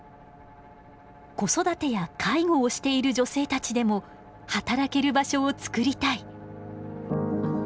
「子育てや介護をしている女性たちでも働ける場所を作りたい」。